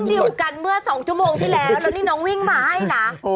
ดิวกันเมื่อ๒ชั่วโมงที่แล้วแล้วนี่น้องวิ่งมาให้นะ